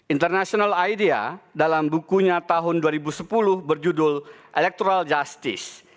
international idea dalam bukunya tahun dua ribu sepuluh berjudul electoral justice